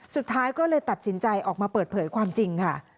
สุดท้ายก็เลยตัดสินใจออกมาเปิดเผยความจริงค่ะ